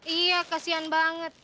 iya kasihan banget